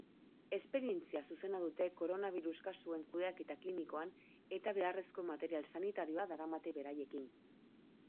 Esperientzia zuzena dute koronabirus kasuen kudeaketa klinikoan eta beharrezko material sanitarioa daramate beraiekin.